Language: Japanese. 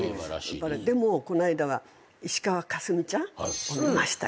この間は石川佳純ちゃんを見ましたよ。